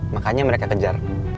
makanya mereka kejar